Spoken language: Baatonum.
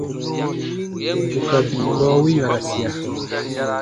Bù ka bii gɔɔ wi yɔ̃rasia.